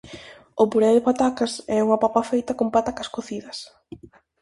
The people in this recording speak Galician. O puré de patacas é unha papa feita con patacas cocidas.